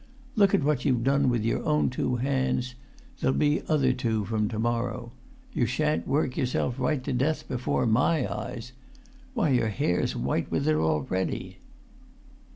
Look at what you've done with your own two hands—there'll be other two from to morrow! You shan't work yourself right to death before my eyes. Why, your hair's white with it already!"